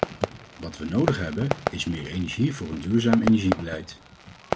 Wat we nodig hebben, is meer energie voor een duurzaam energiebeleid.